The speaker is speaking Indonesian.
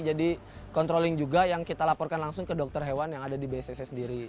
jadi kontroling juga yang kita laporkan langsung ke dokter hewan yang ada di bstc sendiri